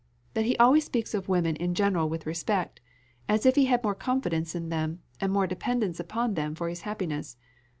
"That he always speaks of women in general with respect as if he had more confidence in them, and more dependence upon them for his happiness.